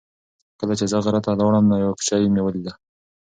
کله چې زه غره ته لاړم نو یوه کوچۍ مې ولیده.